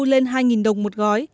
lên hai đồng một gói